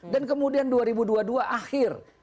dan kemudian dua ribu dua puluh dua akhir